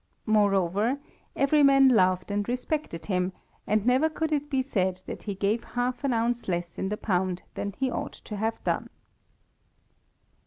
Moreover, every man loved and respected him, and never could it be said that he gave half an ounce less in the pound than he ought to have done.